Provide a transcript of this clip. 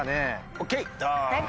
ＯＫ！